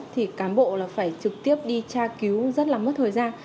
thì cán bộ là phải trực tiếp đi tra cứu rất là mất thời gian